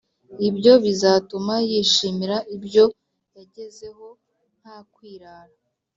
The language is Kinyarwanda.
ibyo bizatuma yishimira ibyo yagezeho ntakwirara